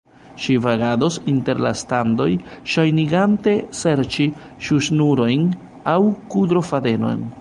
Ŝi vagados inter la standoj, ŝajnigante serĉi ŝuŝnurojn, aŭ kudrofadenon.